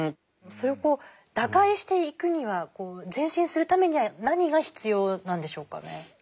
それを打開していくには前進するためには何が必要なんでしょうかね。